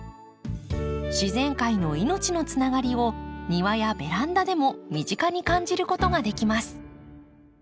自然界の命のつながりを庭やベランダでも身近に感じることができます。